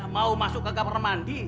mau masuk ke kamar mandi